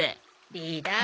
リーダー